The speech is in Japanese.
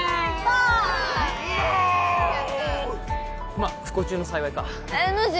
まっ不幸中の幸いかノジ